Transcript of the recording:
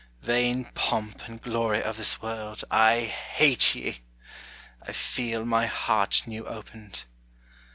Vain pomp and glory of this world, I hate ye: I feel my heart new opened.